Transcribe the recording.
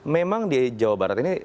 memang di jawa barat ini